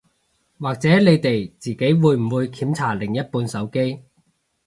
或者你哋自己會唔會檢查另一半手機